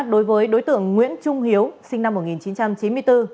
đối với đối tượng nguyễn trung hiếu sinh năm một nghìn chín trăm chín mươi bốn